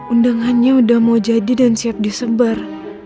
undangannya udah mau jadi dan siap disebar